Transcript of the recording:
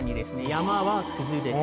山は崩れて。